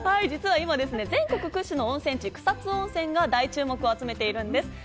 実は今、全国屈指の温泉地・草津温泉が大注目を集めているんです。